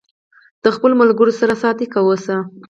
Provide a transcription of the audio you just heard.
د خپلو ملګرو سره صادق اوسئ.